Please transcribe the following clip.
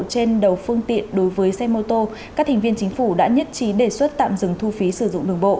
trên đầu phương tiện đối với xe mô tô các thành viên chính phủ đã nhất trí đề xuất tạm dừng thu phí sử dụng đường bộ